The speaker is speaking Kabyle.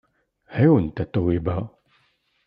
Ɛiwen Tatoeba!